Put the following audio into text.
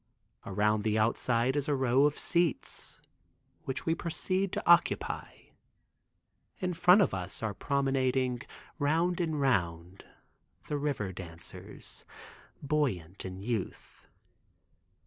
Around the outside is a row of seats which we proceed to occupy. In front of us are promenading round and round the river dancers, buoyant in youth.